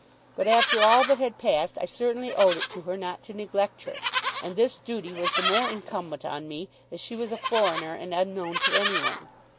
But after all that had passed I certainly owed it to her not to neglect her; and this duty was the more incumbent on me as she was a foreigner and unknown to any one.